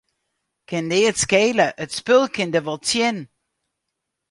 Kin neat skele, it spul kin der wol tsjin.